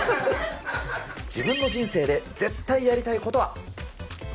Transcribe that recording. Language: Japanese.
自分の人生で絶対やりたいことは？